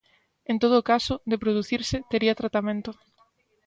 En todo caso, de producirse, tería tratamento.